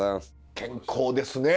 健康ですね